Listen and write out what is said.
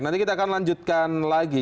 nanti kita akan lanjutkan lagi